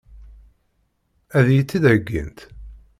Ad iyi-tt-id-heggint?